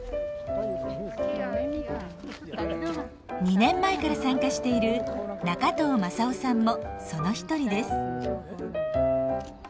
２年前から参加している仲藤正雄さんもその一人です。